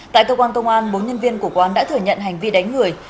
tại cơ quan công an bốn nhân viên của quán đã thừa nhận hành vi đánh người